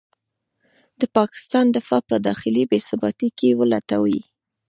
د پاکستان دفاع په داخلي بې ثباتۍ کې ولټوي.